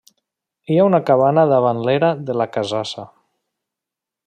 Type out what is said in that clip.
Hi ha una cabana davant l'era de la Casassa.